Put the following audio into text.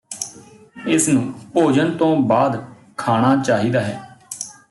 ਇਸ ਨੂੰ ਭੋਜਨ ਤੋਂ ਬਾਅਦ ਖਾਣਾ ਚਾਹੀਦਾ ਹੈ